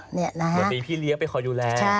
เหมือนที่พี่เรียกไปคอยุแล